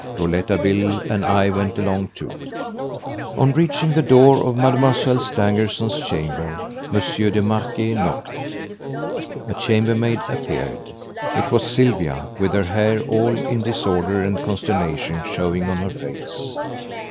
Rouletabille and I went along too. On reaching the door of Mademoiselle Stangerson's chamber, Monsieur de Marquet knocked. A chambermaid appeared. It was Sylvia, with her hair all in disorder and consternation showing on her face.